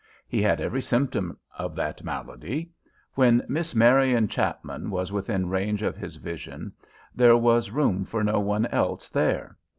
He had every symptom of that malady. When Miss Marian Chapman was within range of his vision there was room for no one else there.